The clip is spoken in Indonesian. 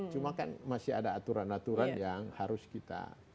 cuma kan masih ada aturan aturan yang harus kita